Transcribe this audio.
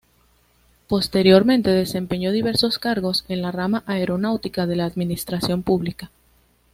Posteriormente, desempeñó diversos cargos en la rama aeronáutica de la administración pública.